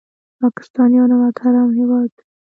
پاکستان یو نمک حرام هېواد دی